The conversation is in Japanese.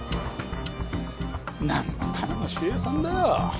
なんのための守衛さんだよ。